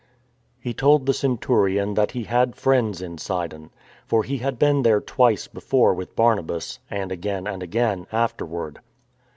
He told the centurion that he had friends in Sidon. For he had been there twice before with Barnabas, and again and again afterward.